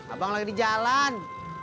abang lagi di jalan